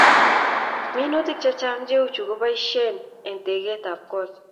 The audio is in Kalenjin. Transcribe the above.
minutik chechang cheuu cedar keboishen en tekekeb korik